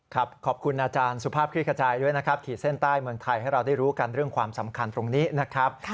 ขอบคุณอาจารย์สุภาพคลิกขจายด้วยนะครับขีดเส้นใต้เมืองไทยให้เราได้รู้กันเรื่องความสำคัญตรงนี้นะครับ